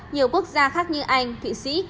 nhiều quốc gia khác như anh thụy sĩ